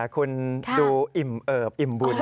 คุณดูอิ่มเอิบอิ่มบุญ